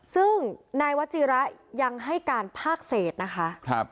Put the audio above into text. ซึ่งนายวจีระยังให้การภาคเศษนะคะ